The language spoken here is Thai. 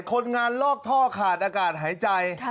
คนงานลอกท่อขาดอากาศหายใจ